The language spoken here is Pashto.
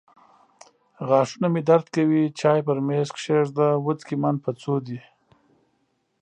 غاښونه مې درد کوي. چای پر مېز کښېږده. وڅکې من په څو دي.